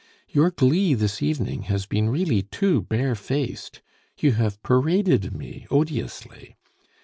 Your glee this evening has been really too barefaced; you have paraded me odiously.